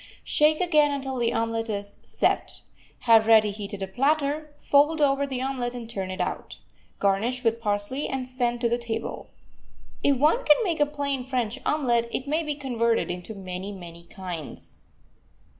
Shake again, until the omelet is "set." Have ready heated a platter, fold over the omelet and turn it out. Garnish with parsley, and send to the table. If one can make a plain French omelet, it may be converted into many, many kinds.